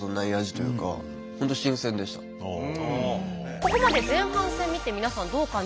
ここまで前半戦見て皆さんどう感じているでしょうか？